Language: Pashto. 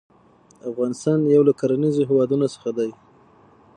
افغانستان يو له کرنيزو هيوادونو څخه دى.